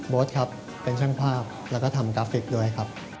โพสต์ครับเป็นช่างภาพแล้วก็ทำกราฟิกด้วยครับ